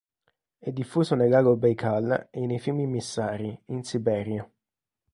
È diffuso nel lago Bajkal e nei fiumi immissari, in Siberia.